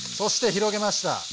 広げました。